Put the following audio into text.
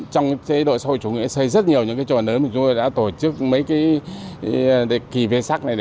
trong chế độ xã hội chủ nghĩa xây rất nhiều những cái chùa lớn mà chúng tôi đã tổ chức mấy cái kỳ viên sắc này